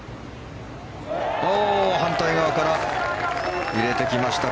反対側から入れてきました。